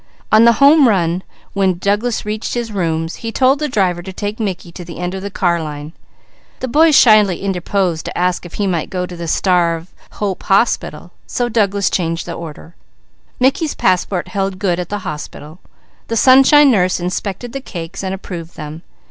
On the home run, when Douglas reached his rooms, he told the driver to take Mickey to the end of the car line; the boy shyly interposed to ask if he might go to the "Star of Hope Hospital," so Douglas changed the order. Mickey's passport held good at the hospital. The Sunshine Nurse inspected the cakes and approved them.